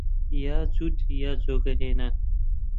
یا جووت یا جۆگە هێنان